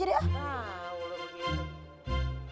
gak mau loh begini